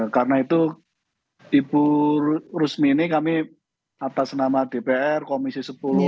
karena itu ibu rusmini kami atas nama dpr komisi sepuluh